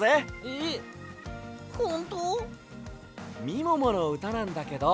みもものうたなんだけど。